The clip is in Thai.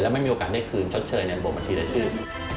และไม่มีโอกาสได้คืนชดเชยบวกปัจจิและชื่อ